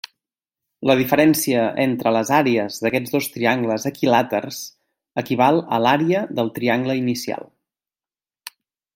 La diferència entre les àrees d'aquests dos triangles equilàters equival a l'àrea del triangle inicial.